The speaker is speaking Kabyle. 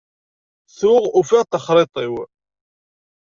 Tuɣ ufiɣ-d taxṛiṭ-iw.